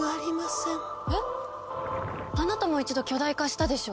えっあなたも一度巨大化したでしょ？